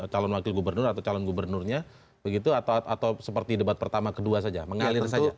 calon wakil gubernur atau calon gubernurnya begitu atau seperti debat pertama kedua saja mengalir saja